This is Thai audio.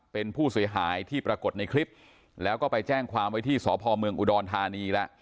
เป็นผู้เสียหายที่ปรากฏในคลิปแล้วก็ไปแจ้งความไว้ที่สพเมืองอุดรธานีแล้ว